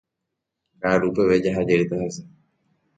Ka'aru peve jaha jeýta hese.